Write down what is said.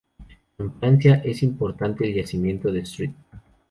En Francia es importante el yacimiento de St.